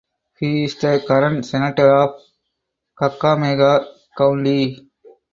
He is the current senator of Kakamega County.